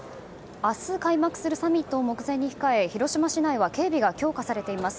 明日開幕するサミットを目前に控え広島市内は警備が強化されています。